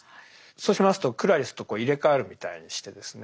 そうしますとクラリスと入れ代わるみたいにしてですね